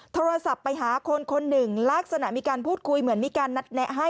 โทรศัพท์ไปหาคนคนหนึ่งลักษณะมีการพูดคุยเหมือนมีการนัดแนะให้